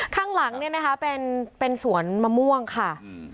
ข้างหลังเนี่ยนะคะเป็นเป็นสวนมะม่วงค่ะ